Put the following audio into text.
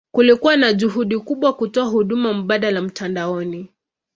Kulikuwa na juhudi kubwa kutoa huduma mbadala mtandaoni.